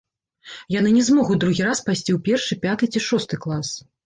Яны не змогуць другі раз пайсці ў першы, пяты ці шосты клас.